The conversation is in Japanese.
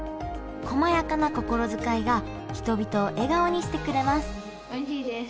こまやかな心遣いが人々を笑顔にしてくれますおいしいです。